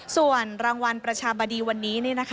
ส่วนรางวัลประชาบดีวันนี้